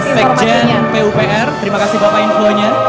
sekjen pupr terima kasih bapak infonya